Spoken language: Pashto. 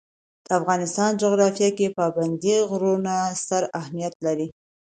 د افغانستان جغرافیه کې پابندی غرونه ستر اهمیت لري.